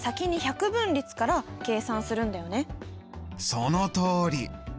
そのとおり。